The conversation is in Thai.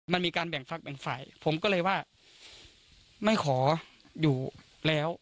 มันมีการแบ่งฟักแบ่งฝ่ายผมก็เลยว่าไม่ขออยู่แล้ว